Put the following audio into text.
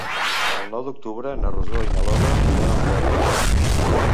El nou d'octubre na Rosó i na Lola iran al teatre.